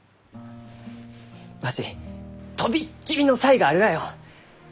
わし飛びっ切りの才があるがよ！